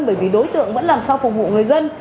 bởi vì đối tượng vẫn làm sao phục vụ người dân